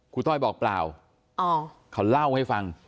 ต้อยบอกเปล่าเขาเล่าให้ฟัง